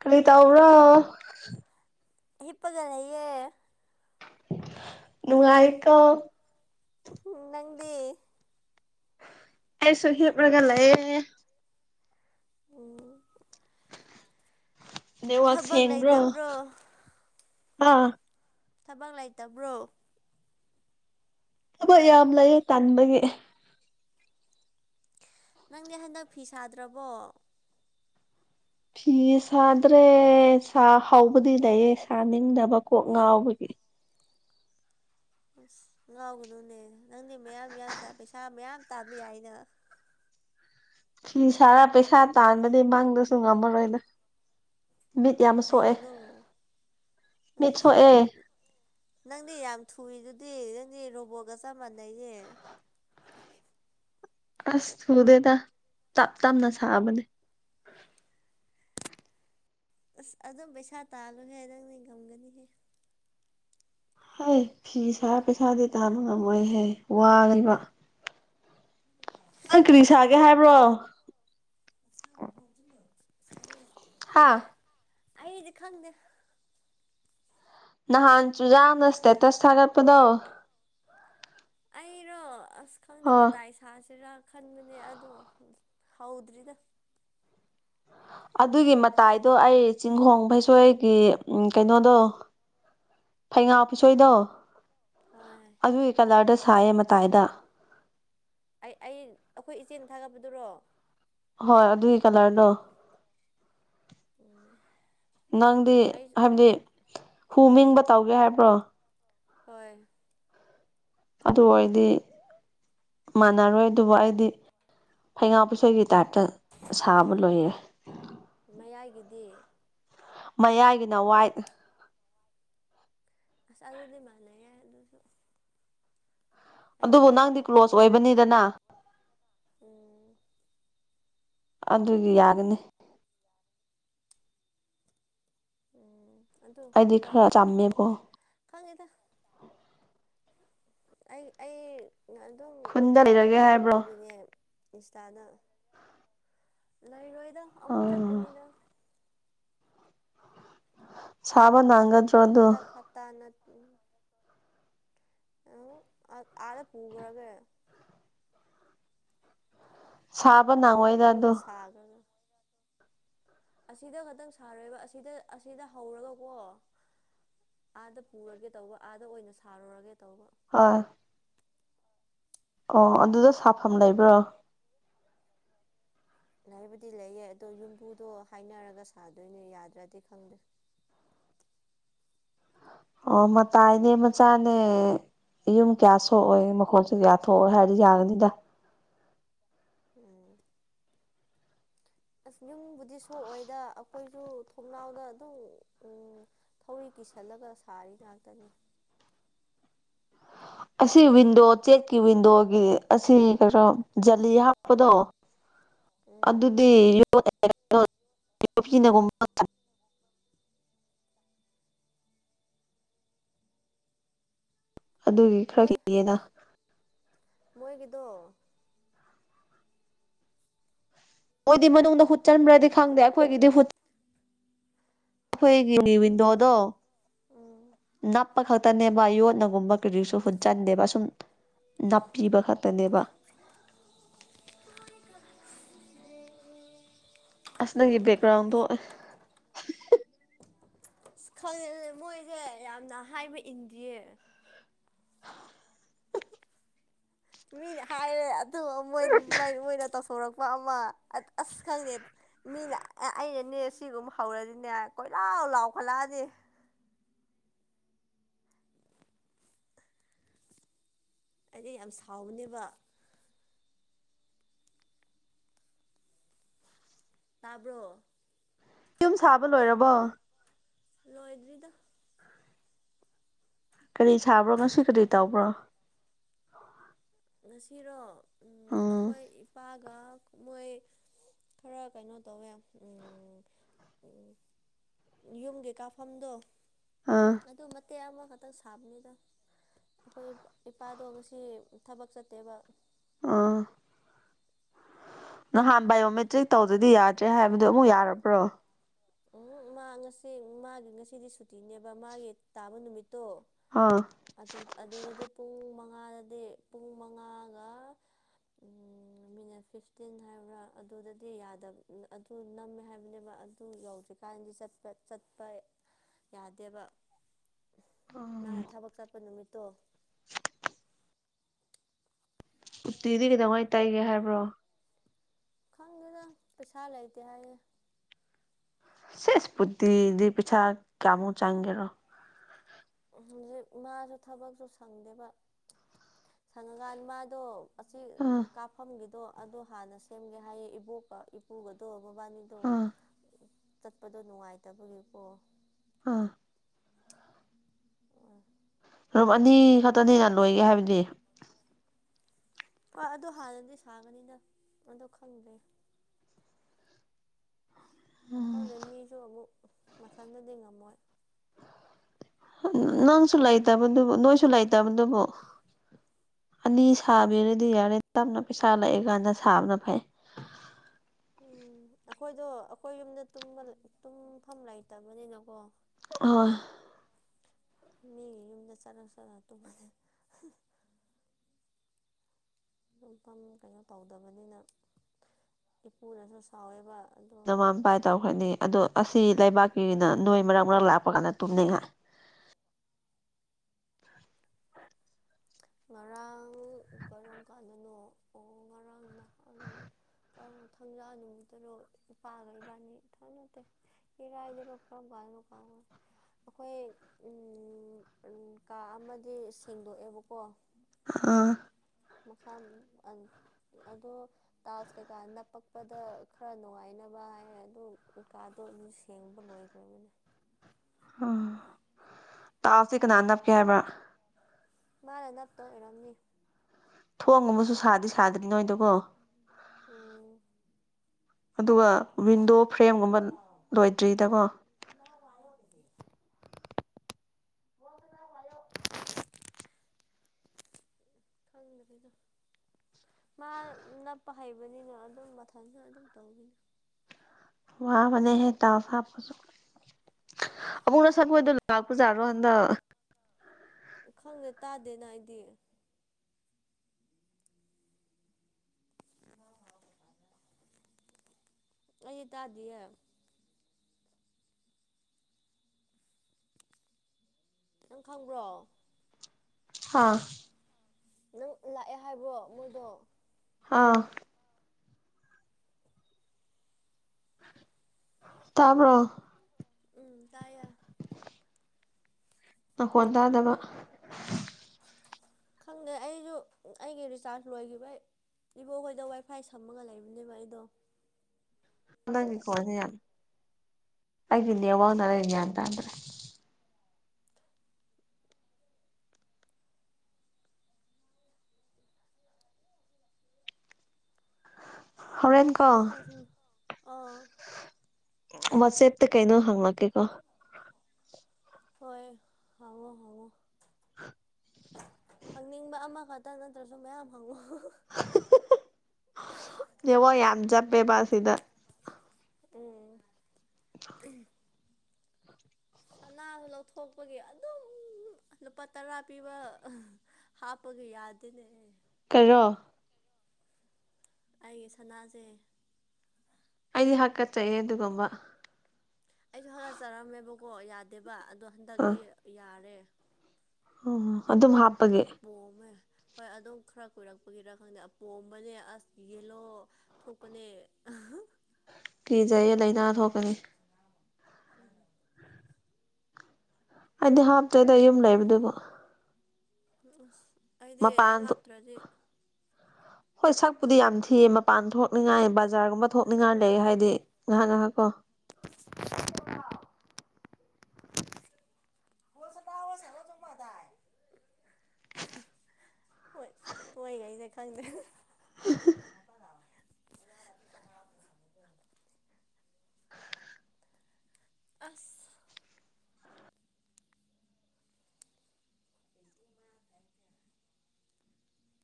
ꯀꯔꯤ ꯇꯧꯕ꯭ꯔꯣ ꯍꯜꯂꯣ ꯍꯤꯞꯄꯒ ꯂꯩꯌꯦ ꯅꯨꯡꯉꯥꯏꯀꯣ ꯅꯪꯗꯤ ꯑꯩꯁꯨ ꯍꯤꯞꯔꯒ ꯂꯩꯌꯦ ꯎꯝ ꯅꯦꯋꯥꯛ ꯊꯕꯛ ꯁꯦꯡꯕ꯭ꯔꯣ ꯂꯩꯇꯕ꯭ꯔꯣ ꯍꯥ ꯊꯕꯛ ꯂꯩꯇꯕ꯭ꯔꯣ ꯊꯕꯛ ꯌꯥꯝ ꯂꯩꯌꯦ ꯇꯟꯕꯒꯤ ꯅꯪꯗꯤ ꯍꯟꯗꯛ ꯐꯤ ꯁꯥꯗ꯭ꯔꯕꯣ ꯐꯤ ꯁꯥꯗ꯭ꯔꯦ ꯁꯥ ꯍꯥꯎꯕꯗꯤ ꯂꯩꯌꯦ ꯁꯥꯅꯤꯡꯗꯕ ꯀꯣꯛ ꯉꯥꯎꯕꯒꯤ ꯑꯁ ꯉꯥꯎꯒꯅꯨꯅꯦ ꯅꯪꯗꯤ ꯃꯌꯥꯝ- ꯃꯌꯥꯝ ꯁꯥꯏ ꯄꯩꯁꯥ ꯃꯌꯥꯝ ꯇꯥꯟꯕ ꯌꯥꯏꯅ ꯐꯤ ꯁꯥꯔ ꯄꯩꯁꯥ ꯇꯥꯟꯕꯗꯤ ꯃꯪꯗꯁꯨ ꯉꯝꯃꯔꯣꯏꯗ ꯃꯤꯠ ꯌꯥꯝ ꯁꯣꯛꯑꯦ ꯀꯩꯒꯤꯅꯣ ꯃꯤꯠ ꯑꯁ ꯁꯣꯛꯑꯦ ꯅꯪꯗꯤ ꯌꯥꯝ ꯊꯨꯏꯗꯨꯗꯤ ꯅꯪꯗꯤ ꯔꯣꯕꯣꯠꯒ ꯆꯞ ꯃꯥꯟꯅꯩꯌꯦ ꯑꯁ ꯊꯨꯗꯦꯗ ꯇꯞ-ꯇꯞꯅ ꯁꯥꯕꯅꯦ ꯑꯁ ꯑꯗꯨꯝ ꯄꯩꯁꯥ ꯇꯥꯜꯂꯨꯍꯦ ꯅꯪꯅꯦ ꯉꯝꯒꯅꯤꯍꯦ ꯍꯩ ꯐꯤ ꯁꯥꯔ ꯄꯩꯁꯥꯗꯤ ꯇꯥꯟꯕ ꯉꯝꯃꯣꯏꯍꯦ ꯋꯥꯏꯌꯦꯕ [unintelligible] ꯅꯪ ꯀꯔꯤ ꯁꯥꯒꯦ ꯍꯥꯏꯕ꯭ꯔꯣ ꯍꯥ ꯑꯩꯗꯤ ꯈꯪꯗꯦ ꯅꯍꯥꯟ ꯆꯨꯖꯥꯝꯅ ꯏꯁꯇꯦꯇꯁ ꯊꯥꯒꯠꯄꯗꯣ ꯑꯩꯔꯣ ꯑꯁ ꯈꯪꯗꯦ ꯑꯥ ꯃꯇꯥꯏꯁꯦ ꯁꯥꯁꯤꯔ ꯈꯟꯕꯅꯦ ꯑꯗꯣ ꯍꯧꯗ꯭ꯔꯤꯗ ꯑꯗꯨꯒꯤ ꯃꯇꯥꯏꯗꯣ ꯑꯩ ꯆꯤꯡꯈꯣꯡ ꯐꯩꯁꯣꯏꯒꯤ ꯀꯩꯅꯣꯗꯣ [unintelligible] ꯐꯩꯉꯥ ꯄꯨꯁꯣꯏꯗꯣ ꯎꯝ ꯍꯣꯏ ꯑꯗꯨꯒꯤ ꯀꯂꯔꯗ ꯁꯥꯏꯌꯦ ꯃꯇꯥꯏꯗ ꯑꯩ ꯑꯩ ꯑꯩꯈꯣꯏ ꯏꯆꯦꯅ ꯊꯥꯒꯠꯄꯗꯨꯔꯣ ꯍꯣꯏ ꯑꯗꯨꯒꯤ ꯀꯂꯔꯅꯣ ꯅꯪꯗꯤ ꯑꯩꯁꯨ ꯍꯥꯏꯕꯗꯤ ꯍꯨ ꯃꯤꯡꯕ ꯇꯧꯒꯦ ꯍꯥꯏꯕ꯭ꯔꯣ ꯍꯣꯏ ꯑꯗꯨ ꯑꯣꯏꯗꯤ ꯃꯥꯟꯅꯔꯣꯏ ꯑꯗꯨꯕꯨ ꯑꯩꯗꯤ ꯐꯩꯉꯥ ꯄꯨꯁꯣꯏꯒꯤ ꯇꯥꯏꯞꯇ ꯁꯥꯕ ꯂꯣꯏꯌꯦ ꯃꯌꯥꯏꯒꯤꯗꯤ ꯃꯌꯥꯏꯒꯤꯅꯋꯥꯏꯠ ꯑꯁ ꯑꯗꯨꯗꯤ ꯃꯥꯟꯅꯩ ꯌꯥꯏ ꯑꯗꯨꯁꯨ ꯑꯩꯁꯨ ꯑꯗꯨꯕꯨ ꯑꯗꯨ ꯅꯪꯗꯤ ꯍꯥꯞꯀꯦ ꯀ꯭ꯂꯣꯁ ꯇꯧꯕꯅꯦ ꯑꯣꯏꯕꯅꯤꯗꯅ ꯎꯝ ꯑꯗꯨꯗꯤ ꯌꯥꯒꯅꯤ ꯎꯝ ꯑꯗꯨ ꯑꯩꯗꯤ ꯍꯣꯏ ꯈꯔ ꯆꯝꯃꯦꯕꯣ ꯈꯪꯉꯦꯗ ꯑꯩ ꯑꯩ ꯑꯗꯨꯝ ꯈꯨꯟꯗ ꯂꯩꯔꯒꯦ ꯀꯩꯅꯣꯗ ꯍꯥꯏꯕ꯭ꯔꯣ ꯎꯕꯒꯤꯅꯦ ꯏꯟꯁꯇꯥꯗ ꯂꯩꯔꯣꯏꯗ ꯑꯃꯨꯛ ꯑꯥ ꯆꯠꯀꯅꯤꯗ ꯁꯕꯅ ꯍꯟꯗꯛ ꯍꯞꯇꯥꯅ ꯎꯝ ꯑ ꯑꯥꯗ ꯄꯨꯈ꯭ꯔꯒꯦ ꯁꯥꯕ ꯅꯪꯉꯣꯏꯗ ꯑꯗꯨ ꯌꯥꯒ ꯑꯗꯨ ꯑꯁꯤꯗ ꯈꯛꯇꯪ ꯁꯥꯔꯣꯕ ꯑꯁꯤꯗ ꯑꯁꯤꯗ ꯍꯧꯔꯒꯀꯣ ꯑꯥꯗ ꯄꯨꯔꯒꯦ ꯇꯧꯕ ꯑꯥꯗ ꯑꯣꯏꯅ ꯁꯥꯔꯨꯔꯒꯦ ꯇꯧꯕ ꯑ‌ꯣ ꯑꯣ ꯑꯗꯨꯗ ꯁꯥꯐꯝ ꯂꯩꯕ꯭ꯔꯣ ꯂꯩꯕꯨꯗꯤ ꯂꯩꯌꯦ ꯑꯗꯣ ꯌꯨꯝꯕꯨꯗꯣ ꯍꯥꯏꯅꯔꯒ ꯁꯥꯗꯣꯏꯅꯦ ꯌꯥꯗ꯭ꯔꯗꯤ ꯈꯪꯗꯦ ꯑꯣ ꯃꯇꯥꯏꯅꯦ ꯃꯆꯥꯅꯦ‌ ꯌꯨꯝ ꯀꯌꯥ ꯁꯣꯛꯑꯣꯏ ꯃꯈꯣꯟꯁꯨ ꯀꯌꯥ ꯊꯣꯛꯑꯣꯏ ꯍꯥꯏꯔꯗꯤ ꯌꯥꯒꯅꯤꯗ ꯎꯝ ꯑꯁ ꯌꯨꯝꯕꯨꯗꯤ ꯁꯣꯛꯑꯣꯏꯗ ꯑꯩꯈꯣꯏꯁꯨ ꯊꯣꯡꯅꯥꯎꯗ ꯑꯗꯨꯝ ꯎꯝ ꯊꯧꯔꯤ ꯀꯤꯁꯜꯂꯒ ꯁꯥꯔꯤ ꯉꯥꯛꯇꯅꯤ ꯑꯁꯤ ꯋꯤꯟꯗꯣ ꯆꯦꯛꯀꯤ ꯋꯤꯟꯗꯣꯒꯤ ꯑꯁꯤ ꯀꯩꯅꯣ ꯖꯂꯤ ꯍꯥꯞꯄꯗꯣ ꯎꯝ ꯑꯗꯨꯗꯤ [unintelligible] [unintelligible] ꯑꯗꯨꯒꯤ ꯈꯔ ꯃꯣꯏ ꯀꯤꯌꯦꯅ ꯃꯣꯏꯒꯤꯗꯣ ꯃꯣꯏꯗꯤ ꯃꯅꯨꯡꯗ ꯍꯨꯠ ꯆꯟꯕ꯭ꯔꯗꯤ ꯈꯪꯗꯦ ꯑꯩꯈꯣꯏꯒꯤꯗꯤ ꯍꯨꯠ ꯑꯩꯈꯣꯏꯒꯤ ꯋꯤꯟꯗꯣꯗꯣ ꯎꯝ ꯅꯞꯄ ꯈꯛꯇꯅꯦꯕ ꯌꯣꯠꯅꯒꯨꯝꯕ ꯀꯔꯤꯁꯨ ꯍꯨꯠꯆꯟꯗꯦꯕ ꯁꯨꯝ ꯅꯥꯞꯄꯤꯕ ꯈꯛꯇꯅꯦꯕ [unintelligible] ꯑꯁ ꯅꯪꯒꯤ ꯕꯦꯛꯒ꯭ꯔꯥꯟꯗꯣ ꯑꯁ ꯈꯪꯉꯦ ꯃꯣꯏꯁꯦ ꯌꯥꯝꯅ ꯍꯥꯏꯕ ꯏꯟꯗꯤꯌꯦ [unintelligible] ꯃꯤꯅ ꯍꯥꯏꯔꯦ ꯑꯗꯨꯒ ꯃꯣꯏ ꯃꯣꯏꯅ ꯇꯧꯊꯣꯔꯛꯄ ꯑꯃ ꯑꯁ ꯈꯪꯗꯦ ꯃꯤꯅ ꯑꯩꯅꯅꯦ ꯁꯤꯒꯨꯝꯕ ꯍꯧꯔꯗꯤꯅꯦ ꯀꯣꯏꯂꯥꯎ ꯂꯥꯎꯈꯠꯂꯛꯑꯅꯤ ꯑꯩꯗꯤ ꯌꯥꯝ ꯁꯥꯎꯕꯅꯦꯕ ꯇꯥꯕ꯭ꯔꯣ ꯌꯨꯝ ꯁꯥꯕ ꯂꯣꯏꯔꯕꯣ ꯂꯣꯏꯗ꯭ꯔꯤꯗ ꯀꯔꯤ ꯁꯥꯕ꯭ꯔꯣ ꯉꯁꯤ ꯀꯔꯤ ꯇꯧꯕ꯭ꯔꯣ ꯉꯁꯤꯔꯣ ꯎꯝ ꯑꯩꯈꯣꯏ ꯏꯄꯥꯒ ꯃꯣꯏ ꯈꯔ ꯀꯩꯅꯣ ꯇꯧꯋꯦ ꯌꯨꯝꯒꯤ ꯀꯥꯐꯝꯗꯣ ꯑꯥ ꯑꯗꯨ ꯏ ꯇꯦꯛ ꯑꯃꯈꯛꯇꯪ ꯁꯥꯕꯅꯤꯗ ꯑꯩꯈꯣꯏ ꯏꯄꯥꯗꯣ ꯉꯁꯤ ꯊꯕꯛ ꯆꯠꯇꯦꯕ ꯑꯥ [unintelligible] ꯅꯍꯥꯟ ꯕꯥꯏꯑꯣꯃꯦꯇ꯭ꯔꯤꯛ ꯇꯧꯗꯗꯤ ꯌꯥꯗ꯭ꯔꯦ ꯍꯥꯏꯕꯗꯨꯣ ꯑꯃꯨꯛ ꯌꯥꯔꯕ꯭ꯔꯣ ꯎꯝ ꯃꯥ ꯉꯁꯤ ꯃꯥꯒꯤ ꯉꯁꯤꯗꯤ ꯁꯨꯇꯤꯅꯦꯕ ꯃꯥꯒꯤ ꯇꯥꯕ ꯅꯨꯃꯤꯠꯇꯣ ꯑꯥ ꯑꯗꯨꯗꯗꯤ ꯄꯨꯡ ꯃꯉꯥꯗꯗꯤ ꯄꯨꯡ ꯃꯉꯥꯒ ꯃꯤꯅꯠ ꯐꯤꯐꯇꯤꯟ ꯍꯥꯏꯕ꯭ꯔꯥ ꯑꯗꯨꯗꯗꯤ ꯌꯥꯗꯕ ꯑꯗꯨ ꯅꯝꯃꯦ ꯍꯥꯏꯕꯅꯦꯕ ꯑꯗꯨ ꯌꯧꯗ꯭ꯔꯤꯀꯥꯟꯗꯤ ꯆꯠꯄ ꯆꯠꯄ ꯌꯥꯗꯦꯕ ꯃꯥꯅ ꯊꯕꯛ ꯆꯠꯄ ꯅꯨꯃꯤꯠꯇꯣ [unintelligible] [inaudible] ꯎꯇꯤꯗꯤ ꯀꯩꯇꯧꯉꯥꯏ ꯇꯥꯏꯒꯦ ꯍꯥꯏꯕ꯭ꯔꯣ ꯈꯪꯗꯅ ꯄꯩꯁꯥ ꯂꯩꯇꯦ ꯍꯥꯏꯌꯦ ꯁꯤ ꯐꯨꯇꯤꯗꯤ ꯄꯩꯁꯥ ꯀꯌꯥꯃꯨꯛ ꯆꯪꯒꯦꯔꯣ ꯍꯧꯖꯤꯛ ꯃꯥꯁꯨ ꯊꯕꯛꯁꯨ ꯁꯪꯗꯦꯕ ꯁꯪꯉꯀꯥꯟꯗ ꯃꯥꯗꯣ ꯑꯁꯤ ꯑꯥ ꯀꯥꯞꯐꯝꯒꯤꯗꯣ ꯑꯗꯣ ꯍꯥꯟꯅ ꯁꯦꯝꯒꯦ ꯍꯥꯏꯌꯦ ꯏꯕꯣꯛꯀ ꯏꯄꯨꯒꯗꯣ ꯃꯕꯥꯅꯤ ꯑꯗꯣ ꯑꯥ ꯆꯠꯄꯗꯣ ꯅꯨꯡꯉꯥꯏꯇꯕꯒꯤꯀꯣ ꯑꯥ ꯑ [unintelligible] [inaudible] ꯔꯨꯝ ꯑꯅꯤ ꯈꯛꯇꯅꯤꯅ ꯂꯣꯏꯒꯦ ꯍꯥꯏꯕꯗꯤ ꯑ ꯑꯗꯨ ꯍꯥꯟꯅꯗꯤ ꯁꯥꯒꯅꯤꯅ ꯑꯗꯨ ꯈꯪꯗ꯭ꯔꯦ ꯋꯥ ꯎꯝ ꯈꯪꯗꯦ ꯃꯤꯁꯨ ꯑꯃꯨꯛ ꯃꯊꯟꯗꯗꯤ ꯉꯝꯃꯣꯏ ꯅꯪꯁꯨ ꯂꯩꯇꯕꯗꯨꯕꯨ ꯅꯣꯏꯁꯨ ꯂꯩꯇꯕꯗꯨꯕꯨ ꯑꯅꯤ ꯁꯥꯕꯤꯔꯗꯤ ꯌꯥꯔꯦ ꯇꯞꯅ ꯄꯩꯁꯥ ꯂꯥꯛꯑꯦ ꯀꯥꯟꯗ ꯁꯥꯕꯅ ꯐꯩ ꯎꯝ ꯑꯩꯈꯣꯏꯗꯣ ꯑꯩꯈꯣꯏ ꯌꯨꯝꯗ ꯇꯨꯝꯐꯝ ꯂꯩꯇꯕꯅꯤꯅꯀꯣ ꯑ [unintelligible] [inaudible] ꯃꯤꯒꯤ ꯌꯨꯝꯗ ꯆꯠꯂ ꯆꯠꯂꯒꯥ ꯇꯨꯝꯕꯅꯦ ꯇꯨꯝꯐꯝ ꯀꯩꯅꯣ ꯇꯧꯗꯕꯅꯤꯅ ꯏꯄꯨꯅꯁꯨ ꯑꯣꯏꯌꯦꯕ ꯑꯗꯨ ꯅꯃꯥꯥꯟ ꯄꯥꯏ ꯇꯧꯈ꯭ꯔꯅꯤ ꯑꯗꯣ ꯑꯁꯤ ꯂꯩꯕꯥꯛꯀꯤꯅ ꯅꯣꯏ ꯃꯔꯛ ꯃꯔꯛ ꯂꯥꯛꯄ ꯀꯥꯟꯗ ꯇꯨꯝꯅꯩꯉꯥꯏ ꯉꯔꯥꯡ ꯀꯔꯝ ꯀꯥꯟꯗꯅꯣ ꯑꯣ ꯉꯔꯥꯡ ꯅꯍꯥꯟ ꯀ ꯊꯥꯡꯖꯥ ꯅꯨꯡꯃꯇꯔꯣ ꯏꯄꯥꯒ ꯏꯕꯥꯅꯤ ꯏꯊꯪ ꯅꯠꯇꯦ ꯏꯔꯥꯏꯗꯔꯣ ꯀꯥꯔꯝ ꯀꯟꯗꯅꯣ ꯀꯥꯎꯈꯔꯦ [inaudible] ꯑꯩꯈꯣꯏ ꯎ ꯀꯥ ꯑꯃꯗꯤ ꯁꯦꯡꯗꯣꯛꯑꯦꯕꯀꯣ ꯑꯥ [unintelligible] [inaudible] ꯃꯈꯥ ꯑꯗꯣ ꯇꯥꯏꯜꯁ ꯀꯩꯀꯥ ꯅꯞꯄꯛꯄꯗ ꯈꯔ ꯅꯨꯡꯉꯥꯏꯅꯕ ꯍꯥꯏꯔꯦ ꯑꯗꯨ ꯀꯥꯗꯣ ꯁꯦꯡꯕ ꯂꯣꯏꯈ꯭ꯔꯕꯅꯤ ꯎꯝ ꯇꯥꯏꯜꯁꯇꯤ ꯀꯅꯥ ꯅꯞꯀꯦ ꯍꯥꯏꯕ꯭ꯔ ꯃꯥꯅ ꯅꯞꯇꯣ ꯑꯣꯏꯔꯝꯅꯤ ꯊꯣꯡ ꯑꯃꯁꯨ ꯁꯥꯗꯤ ꯁꯥꯗ꯭ꯔꯤ ꯅꯣꯏꯗꯀꯣ ꯎꯝ [unintelligible] [inaudible] ꯑꯗꯨꯒ ꯋꯤꯟꯗꯣ ꯐ꯭ꯔꯦꯝꯒꯨꯝꯕ ꯂꯣꯏꯗ꯭ꯔꯤꯗꯀꯣ [inaudible] ꯈꯪꯗꯔ꯭ꯤꯗ ꯃꯥ ꯅꯞꯄ ꯍꯩꯕꯅꯤꯅ ꯑꯗꯨꯝ ꯃꯊꯟꯇ ꯑꯗꯨꯝ ꯇꯧꯕꯤꯅꯤ ꯋꯥꯕꯅꯦ ꯍꯦ ꯇꯥꯏꯜꯁ ꯍꯞꯄꯁꯨ ꯂꯛꯄꯥꯖꯠꯂꯣ ꯍꯟꯗꯛ ꯈꯪꯗ ꯇꯥꯗꯦꯅ ꯑꯩꯗꯤ ꯑꯩ ꯇꯥꯗꯤꯌꯦ ꯅꯪ ꯈꯪꯕ꯭ꯔꯣ ꯍꯥꯥ ꯅꯪ ꯂꯥꯛꯑꯦ ꯍꯥꯏꯕ꯭ꯔꯣ ꯑꯃꯥꯗꯣ ꯍꯥꯥꯎ ꯇꯥꯕ꯭ꯔꯣ ꯎꯝꯇꯥꯏꯌꯦ [inaudible] ꯅꯪꯈꯣꯟ ꯇꯥꯗꯕ ꯈꯪꯗꯦ ꯑꯩꯁꯨ ꯑꯩꯒꯤ ꯔꯤꯆꯥꯔꯖ ꯂꯣꯏꯈꯤꯕꯩ ꯏꯕꯣꯈꯣꯏꯗ ꯋꯥꯏꯐꯥꯏ ꯁꯝꯃꯒ ꯂꯩꯕꯅꯦꯕ ꯑꯩꯗꯣ ꯅꯪꯒꯤ ꯀꯣꯟꯁ ꯌꯥꯝ ꯑꯩꯒꯤ ꯅꯦꯋꯥꯛꯅꯔ ꯭ꯒꯌ꯭ꯥꯟ ꯇꯥꯗ꯭ꯔꯦ ꯍꯔꯦꯟ ꯀꯦ ꯑꯁꯨꯝ ꯑꯥ ꯃꯆꯦꯠꯇ ꯀꯩꯅꯣ ꯍꯪꯉꯂꯛꯀꯦꯀꯣ ꯍꯣꯏ ꯍꯪꯉꯣ ꯍꯪꯉꯣ ꯍꯪꯅꯤꯡꯕ ꯑꯃꯈ ꯇꯪ ꯅꯠꯇ꯭ꯔꯁꯨ ꯃꯌꯥꯝ ꯍꯪꯉꯣ ꯅꯦꯠꯋꯥꯛ ꯌꯥꯝ ꯆꯞꯄꯦꯕ ꯁꯤꯗ ꯎꯝ ꯑꯅꯥꯕꯥ ꯂꯧꯊꯣꯛꯄꯒꯤ ꯑꯗꯨꯝ ꯂꯨꯄꯥ ꯇꯔꯥ ꯄꯤꯕ ꯍꯥꯄꯒ ꯌꯥꯗꯦꯅꯦ ꯀꯩꯔꯣ ꯑꯩꯒꯤ ꯁꯅꯥꯖꯦ ꯑꯩꯗꯤ ꯍꯥꯀꯠꯆꯩꯍꯦ ꯑꯗꯨꯒꯨꯝꯕ ꯑꯩꯁꯨ ꯍꯒꯠꯆꯔꯝꯃꯦꯕꯀꯣ ꯌꯥꯗꯦꯕ ꯑꯗꯣ ꯑꯥ ꯍꯟꯗꯛꯇꯤ ꯌꯥꯔꯦ ꯑꯣ ꯑꯗꯨꯝ ꯍꯥꯞ ꯑꯄꯣꯝꯃꯦ ꯍꯣꯏ ꯑꯗꯨꯝ ꯈꯔ ꯀꯣꯏꯔꯛꯄꯒꯤꯔ ꯈꯪꯗꯦ ꯑꯄꯣꯝꯕꯅꯦ ꯑꯁ ꯌꯦꯂꯣ ꯊꯣꯛꯄꯅꯦ ꯀꯤꯖꯩꯌꯦ ꯂꯩꯅꯥ ꯊꯣꯛꯀꯅꯤ [unintelligible] ꯑꯩꯗꯤ ꯍꯥꯞꯇ꯭ꯔꯦꯗ ꯌꯨꯝ ꯂꯩꯕꯗꯨꯕꯣ ꯅ ꯑꯁ ꯑꯩꯗꯤ ꯃꯄꯥꯟ ꯊꯣꯛ ꯍꯥꯞꯇ꯭ꯔꯗꯤ ꯍꯣꯏ ꯁꯛꯄꯨꯗꯤ ꯌꯥꯝ ꯊꯤꯌꯦ ꯃꯄꯥꯟ ꯊꯣꯛꯅꯤꯡꯉꯥꯏ ꯕꯖꯥꯔꯒꯨꯝꯕ ꯊꯣꯛꯅꯤꯡꯉꯥꯏ ꯂꯩ ꯍꯥꯏꯗꯤ ꯉꯍꯥꯛ ꯉꯍꯥꯛ ꯀꯣ [unintelligible] [unintelligible] ꯍꯣꯏ ꯃꯣꯏꯒꯩꯖꯦ ꯈꯪꯗꯦ ꯃꯄꯥ [unintelligible] ꯑꯁ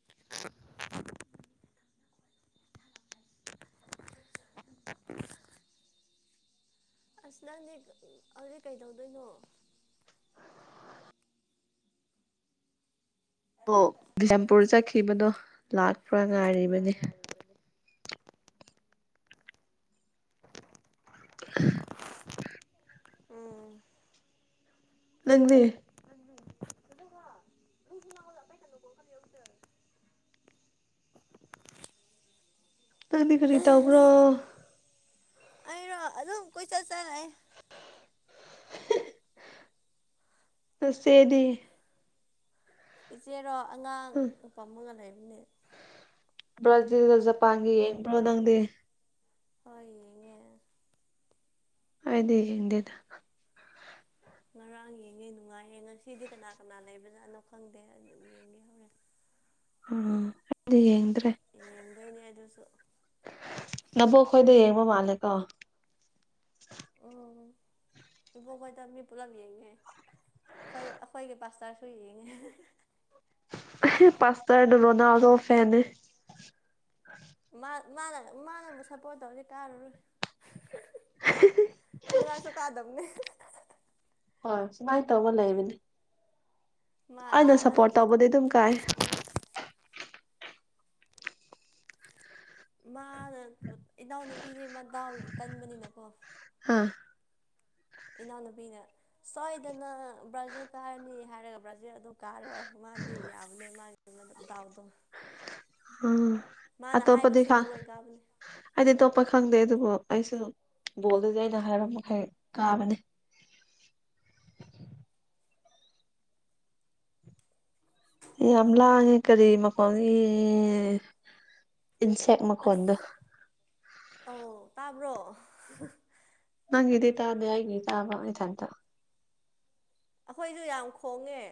[inaudible] [inaudible] ꯑꯁ ꯅꯪꯗꯤ ꯍꯧꯖꯤꯛ ꯀꯩꯗꯧꯗꯣꯏꯅꯣ ꯕꯣꯛ ꯕꯤꯁꯦꯝꯄꯨꯔ ꯆꯠꯈꯤꯕꯗꯣ ꯂꯥꯛꯄ꯭ꯔꯥ ꯉꯥꯏꯔꯤꯕꯅꯤ [inaudible] [inaudible] ꯎꯝ ꯅꯪꯗꯤ [unintelligible] ꯅꯪꯗꯤ ꯀꯔꯤ ꯇꯧꯕ꯭ꯔꯣ ꯑꯩꯩꯔꯣ ꯑꯗꯨꯝ ꯀꯣꯏꯆꯠ ꯆꯠ ꯂꯩ ꯅꯆꯦꯗꯤ ꯏꯆꯦꯔꯣ ꯑꯉꯥꯡ ꯎꯝ ꯄꯝꯃꯒ ꯂꯩꯕꯅꯦ ꯕ꯭ꯔꯥꯖꯤꯜ ꯒ ꯖꯄꯥꯟ ꯒ ꯌꯦꯡꯕ꯭ꯔꯣ ꯅꯪꯗꯤ ꯍꯣꯏ ꯌꯦꯡꯉꯦ ꯑꯩꯗꯤ ꯌꯦꯡꯗꯦꯗ ꯉꯔꯥꯡ ꯌꯦꯡꯉꯦ ꯅꯨꯡꯉꯥꯏꯌꯦ ꯉꯁꯤꯗꯤ ꯀꯅꯥ ꯀꯅꯥ ꯂꯩꯕꯖꯥꯠꯅꯣ ꯈꯪꯗꯦ ꯑꯗꯨꯝ ꯌꯦꯡꯒꯦ ꯍꯧꯔꯦꯟ ꯑ ꯑꯩꯗꯤ ꯌꯦꯡꯗ꯭ꯔꯦ ꯌꯦꯡꯗꯣꯏꯅꯦ ꯑꯗꯨꯁꯨ ꯅꯕꯣꯛ ꯈꯣꯏꯗ ꯌꯦꯡꯕ ꯃꯥꯜꯂꯦ ꯀꯣ ꯎꯝ ꯏꯕꯣꯛꯈꯣꯏꯗ ꯃꯤ ꯄꯨꯂꯞ ꯌꯦꯡꯉꯦ ꯑꯈꯣꯏ ꯑꯈꯣꯏꯒꯤ ꯄꯥꯁꯇꯔꯁꯨ ꯌꯦꯡꯉꯦ [unintelligible] ꯑꯍꯦ ꯄꯥꯁꯇꯔ ꯗꯣ ꯔꯣꯅꯥꯜꯗꯣ ꯐꯦꯟ ꯅꯦ ꯃꯥ ꯃꯥꯅ ꯃꯥꯅꯕꯨ ꯁꯞꯄꯣꯔꯠ ꯇꯧꯔꯗꯤ ꯀꯥꯔꯔꯣꯏ ꯉꯔꯥꯡꯁꯨ ꯀꯥꯗꯝꯅꯦ ꯍꯣꯢ ꯁꯨꯃꯥꯏ ꯇꯧꯕ ꯂꯩꯕꯅꯦ ꯃꯥ ꯑꯩꯅ ꯁꯞꯄꯣꯔꯠ ꯇꯧꯕꯗꯤ ꯑꯗꯨꯝ ꯀꯥꯏ ꯃꯥꯅ ꯏꯅꯥꯎ ꯅꯨꯄꯤꯗꯤ ꯃꯗꯥꯎ ꯀꯟꯕꯅꯤꯅꯀꯣ ꯍꯥꯥ ꯏꯅꯥꯎꯅꯨꯄꯤꯅ ꯁꯣꯏꯗꯅ ꯕ꯭ꯔꯥꯖꯤꯜ ꯀꯥꯔꯅꯤ ꯍꯥꯏꯔꯒ ꯕ꯭ꯔꯥꯖꯤꯜ ꯑꯗꯨ ꯀꯥꯔꯦ ꯃꯥꯗꯤ ꯌꯥꯕꯅꯦ ꯃꯥꯒꯤ ꯃ ꯗꯥꯎꯗꯣ ꯎꯝ ꯃꯥꯅ ꯍꯥꯏꯕꯁꯤꯡꯗꯣ ꯂꯣꯏꯟ ꯀꯥꯕꯅꯤ ꯑꯩꯗꯤ ꯑꯇꯣꯞꯄ ꯈꯪꯗꯦ ꯑꯗꯨꯕꯨ ꯑꯩꯁꯨ ꯕꯣꯜꯗꯗꯤ ꯑꯩꯅ ꯍꯥꯏꯕ ꯃꯈꯩ ꯀꯥꯕꯅꯤ ꯌꯥꯝ ꯂꯥꯡꯉꯦ ꯀꯔꯤ ꯃꯈꯣꯟꯒꯤ ꯏꯟꯁꯦꯛ ꯃꯈꯣꯟꯗꯣ ꯑꯣ ꯇꯥꯕ꯭ꯔꯣ ꯅꯪꯒꯤꯗꯤ ꯇꯥꯗꯦ ꯑꯩꯒꯤꯗꯤ ꯇꯥꯕ ꯏꯊꯟꯇ꯫ ꯑꯈꯣꯏꯖꯨ ꯌꯥꯝ ꯈꯣꯡꯉꯦ